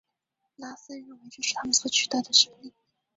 拉森认为这是他们所取得的胜利。